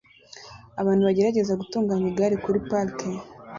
abantu bagerageza gutunganya igare kuri parike